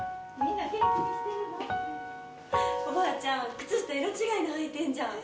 おばあちゃん、靴下色違いの履いてんじゃん！